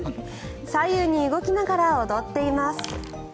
左右に動きながら踊っています。